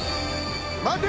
待て！